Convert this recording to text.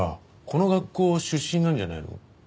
この学校出身なんじゃないの？